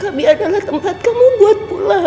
kami adalah tempat kamu buat pulang